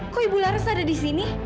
kok ibu laras ada di sini